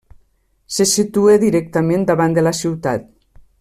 Se situa directament davant de la ciutat.